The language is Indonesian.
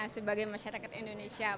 sebagai masyarakat indonesia